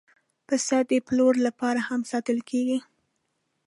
پسه د پلور لپاره هم ساتل کېږي.